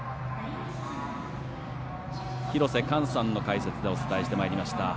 廣瀬寛さんの解説でお伝えしてまいりました。